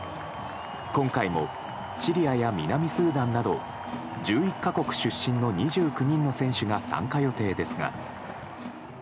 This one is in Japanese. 今回もシリアや南スーダンなど１１か国出身の２９人の選手が参加予定ですが。